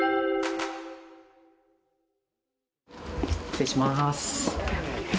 失礼します。